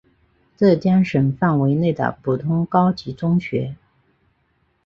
浙江省范围内的普通高级中学。